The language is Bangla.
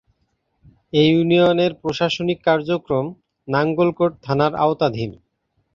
এ ইউনিয়নের প্রশাসনিক কার্যক্রম নাঙ্গলকোট থানার আওতাধীন।